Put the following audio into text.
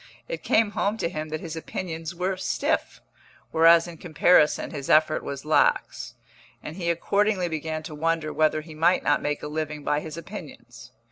It came home to him that his opinions were stiff, whereas in comparison his effort was lax; and he accordingly began to wonder whether he might not make a living by his opinions.